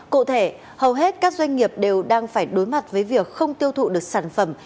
cụ thể hầu hết các doanh nghiệp đều đang phải đối mặt với việc không tiêu thụ được sản phẩm